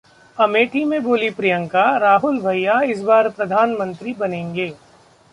अमेठी में बोलीं प्रियंका- राहुल भैया इस बार प्रधानमंत्री बनेंगे